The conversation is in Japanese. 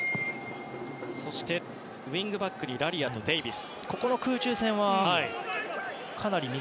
そして、ウィングバックにラリアとデイビス。